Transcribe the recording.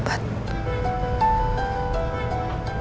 tapi muitas pemisah bar